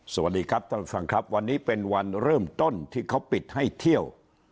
สวัสดีครับท่านฟังครับวันนี้เป็นวันเริ่มต้นที่เขาปิดให้เที่ยว